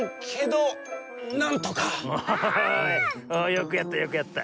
よくやったよくやった。